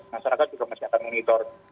masyarakat juga masih akan monitor